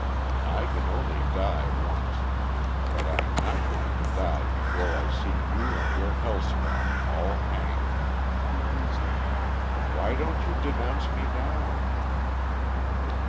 I can only die once. But I am not going to die before I see you and your hellspawn all hanged." "Why don't you denounce me now?"